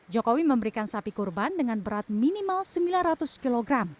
jokowi memberikan sapi kurban dengan berat minimal sembilan ratus kg